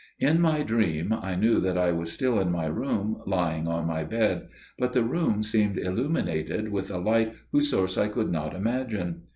In my dream I knew that I was still in my room, lying on my bed, but the room seemed illuminated with a light whose source I could not imagine.